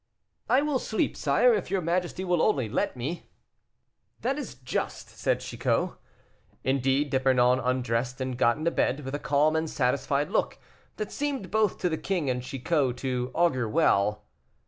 "I will sleep, sire, if your majesty will only let me." "That is just," said Chicot. Indeed D'Epernon undressed and got into bed, with a calm and satisfied look, that seemed, both to the king and Chicot to augur well.